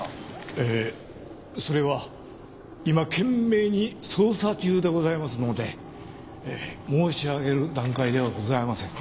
ええそれは今懸命に捜査中でございますので申し上げる段階ではございません。